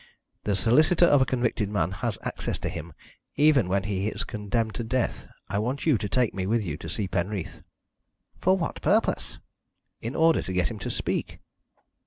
The solicitor of a convicted man has access to him even when he is condemned to death. I want you to take me with you to see Penreath." "For what purpose?" "In order to get him to speak."